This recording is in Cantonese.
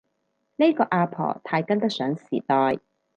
呢個阿婆太跟得上時代